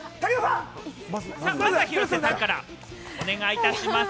まずは広瀬さんからお願いします。